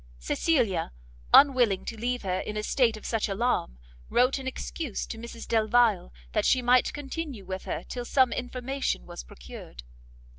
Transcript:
Cecilia, unwilling to leave her in a state of such alarm, wrote an excuse to Mrs Delvile, that she might continue with her till some information was procured.